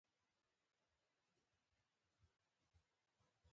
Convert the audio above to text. هر پسرلۍ پرېمانه اوبه هسې ضايع كېږي،